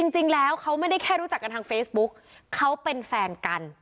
จริงแล้วเขาไม่ได้แค่รู้จักกันทางเฟซบุ๊กเขาเป็นแฟนกัน